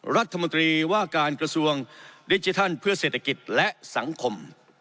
รัฐมนตรีว่าการกระทรวงดิจิทัลเพื่อเศรษฐกิจและสังคม